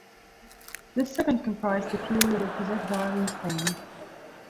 The second comprised the period of his exile in Spain.